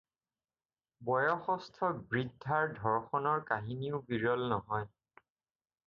বয়সস্থ বৃদ্ধাৰ ধৰ্ষণৰ কাহিনীও বিৰল নহয়।